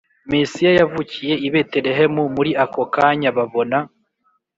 Mesiya yavukiye i Betelehemu Muri ako kanya babona